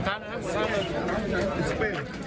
คนส้ำนะครับ